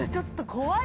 怖い。